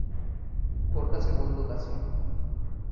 ওর কাছে বন্দুক আছে।